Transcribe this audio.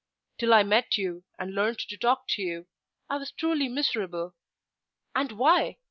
Till I met you, and learnt to talk to you, I was truly miserable. And why?